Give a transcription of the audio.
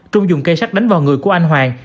trung dùng cây sắt đánh vào người của anh hoàng